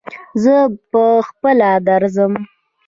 زه پهخپله درځم.